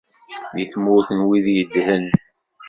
Di tmurt n wid yeddren.